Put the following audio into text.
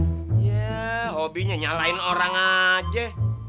iya robbynya nyalain orang aja